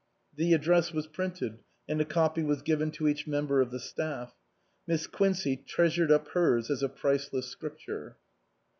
The address was printed and a copy was given to each member of the staff. Miss Quincey treasured up hers as a priceless scripture.